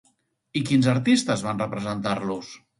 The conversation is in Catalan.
I quins artistes van representar-los?